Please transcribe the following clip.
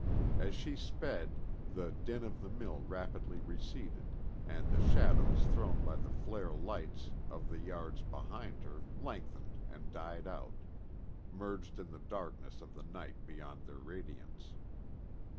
As she sped, the din of the mill rapidly receded, and the shadows thrown by the flare lights of the yards behind her lengthened and died out, merged in the darkness of the night beyond their radiance.